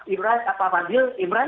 imran apa pandil imran